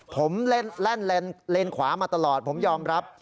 ผมแล่นเลนขวามาตลอดผมยอมรับ